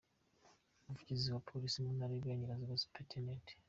Umuvugizi wa Polisi mu ntara y’Uburengerazuba, Supt.